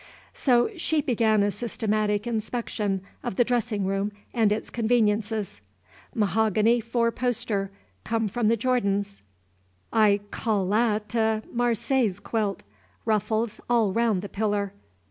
So she began a systematic inspection of the dressing room and its conveniences. "Mahogany four poster; come from the Jordans', I cal'la, te. Marseilles quilt. Ruffles all round the piller.